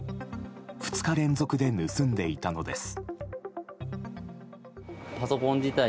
２日連続で盗んでいたのです。